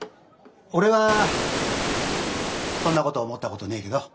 俺はそんなこと思ったことねえけど。